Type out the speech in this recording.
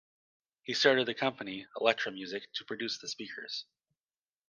He started a company, Electro Music, to produce the speakers.